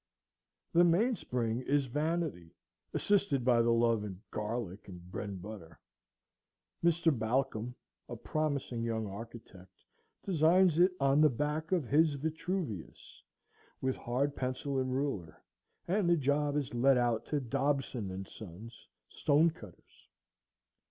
The mainspring is vanity, assisted by the love of garlic and bread and butter. Mr. Balcom, a promising young architect, designs it on the back of his Vitruvius, with hard pencil and ruler, and the job is let out to Dobson & Sons, stonecutters.